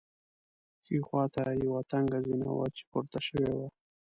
ښي خوا ته یوه تنګه زینه وه چې پورته شوې وه.